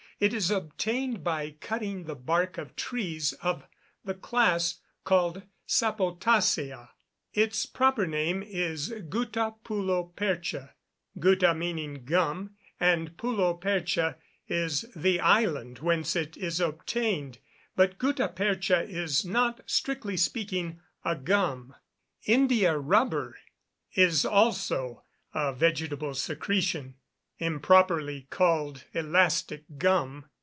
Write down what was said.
It is obtained by cutting the bark of trees of the class called Sapotacea. Its proper name is gutta Pulo Percha, gutta meaning gum, and Pulo Percha is the island whence it is obtained. But gutta percha is not, strictly speaking, a gum. India rubber is also a vegetable secretion, improperly called elastic gum.